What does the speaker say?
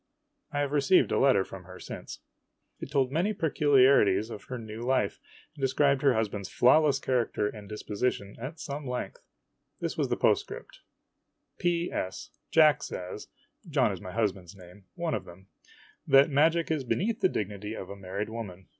I have received a letter from her since. It told many particu no IMAGINOTIONS lars of her new life, and described her husband's flawless character and disposition at some length. This was the postscript : P. S. Jack says (John is my husband's name one of them) that magic is be neath the dignity of a married woman.